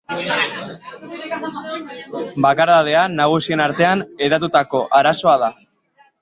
Bakardadea nagusien artean hedatutako arazoa da.